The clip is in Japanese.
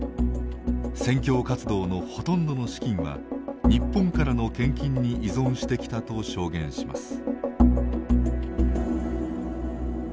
宣教活動のほとんどの資金は日本からの献金に依存してきたと証言します。